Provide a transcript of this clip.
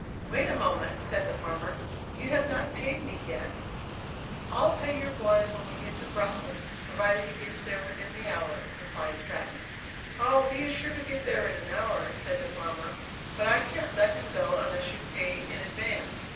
"Wait a moment," said the farmer, "you have not paid me yet," "I'll pay your boy when we get to Brussels, provided he gets there within the hour," replied Stratton. "Oh, he is sure to get there in an hour," said the farmer, "but I can't let him go unless you pay in advance."